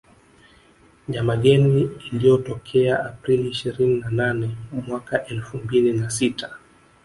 Nyamageni iliyotokea Aprili ishirini na nane mwaka elfu mbili na sita